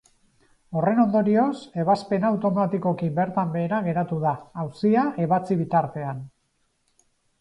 Horren ondorioz, ebazpena automatikoki bertan behera geratu da, auzia ebatzi bitartean.